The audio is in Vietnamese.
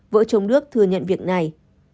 vợ chồng đức thừa nhận việc này